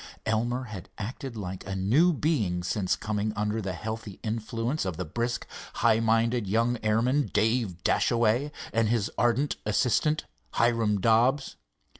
Elmer had acted like a new being since coming under the healthy influence of the brisk, high minded young airman, Dave Dashaway, and his ardent assistant, Hiram Dobbs.